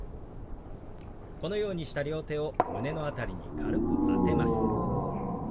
このようにした両手を胸の辺りに軽く当てます。